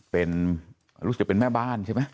เป็นรู้สึกจะเป็นแม่บ้านใช่ไหม